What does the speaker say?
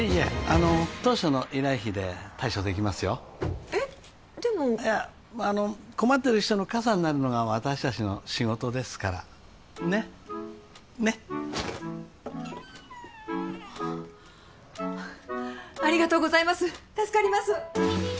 あの当初の依頼費で対処できますよえっでもいやあの困ってる人の傘になるのが私達の仕事ですからねっねっありがとうございます助かります！